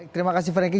terima kasih franky